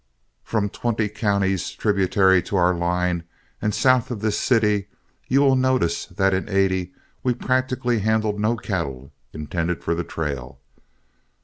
From twenty counties tributary to our line and south of this city, you will notice that in '80 we practically handled no cattle intended for the trail.